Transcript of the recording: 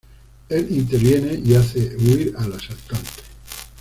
Él interviene y hace huir al asaltante.